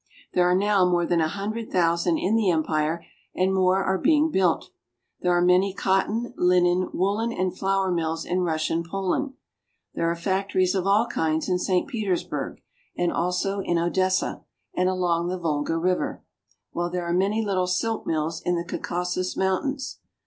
There are now more than a hundred thousand in the empire, and more are being built. There are many cotton, linen, woolen, and flour mills in Russian Poland ; there are factories of all kinds in St. Petersburg, and also in Odessa, and along the Volga River; while there are many little silk mills in the Caucasus Mountains.